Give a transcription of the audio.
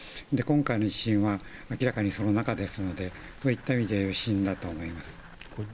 今回の地震は明らかにその中ですのでそういった意味じゃ余震だと思います。